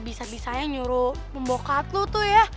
lo bisa bisanya nyuruh pembohonan lo tuh ya